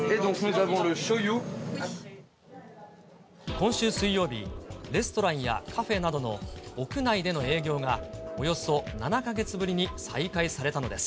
今週水曜日、レストランやカフェなどの屋内での営業がおよそ７か月ぶりに再開されたのです。